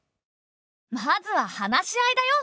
まずは話し合いだよ。